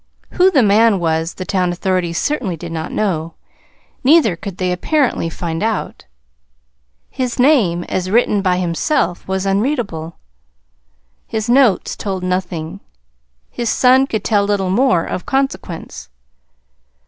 Who the man was the town authorities certainly did not know, neither could they apparently find out. His name, as written by himself, was unreadable. His notes told nothing; his son could tell little more of consequence.